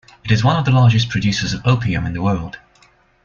It is one of the largest producers of opium in the world.